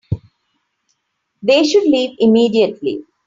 They should leave immediately.